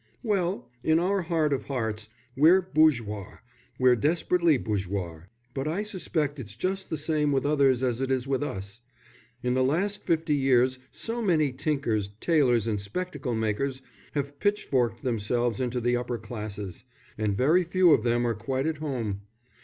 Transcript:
"Well, in our heart of hearts we're bourgeois, we're desperately bourgeois. But I suspect it's just the same with others as it is with us. In the last fifty years so many tinkers, tailors, and spectacle makers have pitchforked themselves into the upper classes; and very few of them are quite at home.